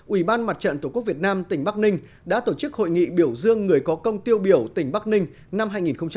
ủy ban mặt trận tổ quốc việt nam tỉnh bắc ninh đã tổ chức hội nghị biểu dương người có công tiêu biểu tỉnh bắc ninh năm hai nghìn một mươi chín